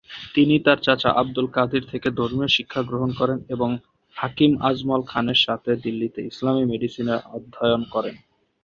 তিনি তার চাচা আবদুল কাদির থেকে ধর্মীয় শিক্ষা গ্রহণ করেন এবং হাকিম আজমল খানের সাথে দিল্লীতে ইসলামি মেডিসিনে অধ্যয়ন করেন।